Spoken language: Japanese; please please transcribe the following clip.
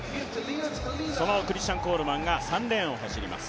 そのクリスチャン・コールマンが３レーンを走ります。